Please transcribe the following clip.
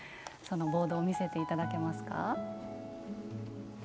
ボードを見せていただけますか。